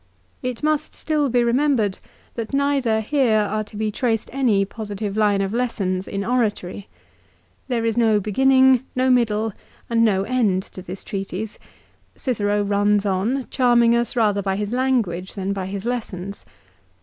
It must still be remembered that neither here are to be traced any positive line of lessons in oratory. There is no beginning, no middle, and no end to this treatise. Cicero runs on, charming us rather by his language than by his lessons.